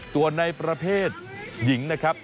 ส่วนในประเภทหญิงนะครับ